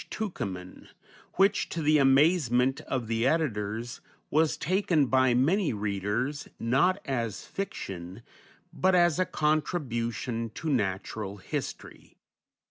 Tukeman," which, to the amazement of the editors, was taken by many readers not as fiction, but as a contribution to natural history.